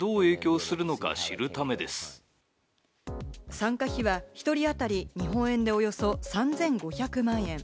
参加費は１人当たり日本円でおよそ３５００万円。